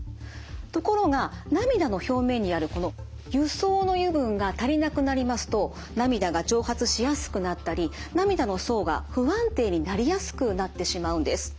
ところが涙の表面にあるこの油層の油分が足りなくなりますと涙が蒸発しやすくなったり涙の層が不安定になりやすくなってしまうんです。